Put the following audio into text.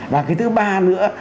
và cái thứ ba nữa